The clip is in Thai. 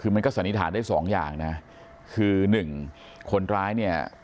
คือมันก็สันนิษฐานได้สองอย่างนะคือหนึ่งคนร้ายเนี่ย